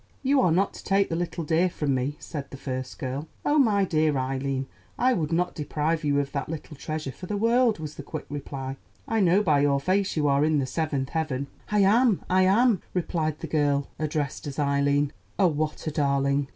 "You are not to take the little dear from me," said the first girl. "Oh, my dear Eileen, I would not deprive you of the little treasure for the world," was the quick reply. "I know by your face you are in the seventh heaven." "I am, I am," replied the girl addressed as Eileen. "Oh, what a darling!